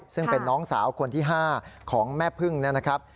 ซึ่งเป็นน้องสาวคนที่๕ของแม่พึ่งนะครับ